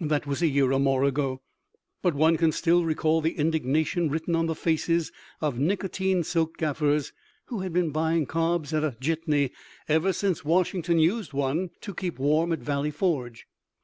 That was a year or more ago, but one can still recall the indignation written on the faces of nicotine soaked gaffers who had been buying cobs at a jitney ever since Washington used one to keep warm at Valley Forge.